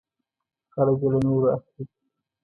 خلک یې له نورو اخلي .